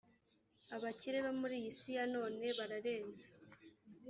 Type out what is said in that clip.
abakire bo muri iyi si ya none bararenze